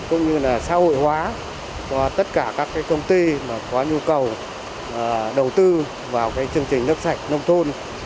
cũng như là xã hội hóa cho tất cả các công ty có nhu cầu đầu tư vào chương trình nước sạch nông thôn